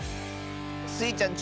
スイちゃん